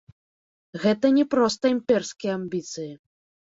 Гэта не проста імперскія амбіцыі.